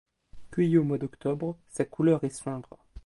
Cueillie au mois d'octobre, sa couleur est sombre.